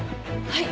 はい！